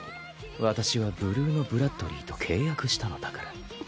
私はブルーノ＝ブラッドリィと契約したのだから